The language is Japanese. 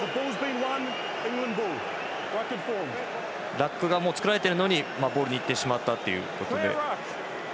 ラックが作られているのにボールに行ってしまったということで。